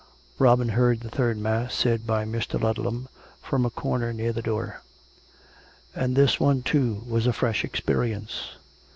Robin heard the third mass, said by Mr. Ludlam, from a corner near the door; and this one, too, was a fresh ex perience.